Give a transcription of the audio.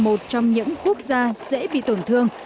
một trong những quốc gia dễ bị tổn thương